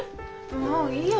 もういいよ。